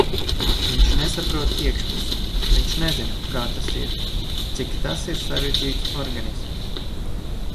Viņš nesaprot iekšpusi, viņš nezina, kā tas ir. Cik tas ir sarežģīts organisms.